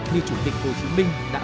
như chủ tịch hồ chí minh đã nói